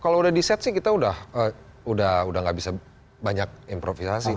kalau udah di set sih kita udah gak bisa banyak improvisasi